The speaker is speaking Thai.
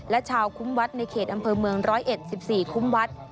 และชาวคุมวัฒน์ในเขตอำเภอเมืองร้อยเอ็ดสิบสี่คุมวัฒน์